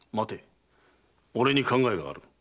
俺に考えがある。